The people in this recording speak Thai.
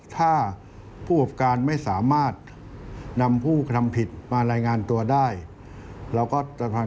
แต่อันนี้เป็นเรื่องของตระเบียบการลงโทษในฐานะโชเฟอร์